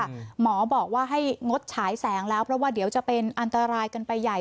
หมอบอกว่าให้งดฉายแสงแล้วเพราะว่าเดี๋ยวจะเป็นอันตรายกันไปใหญ่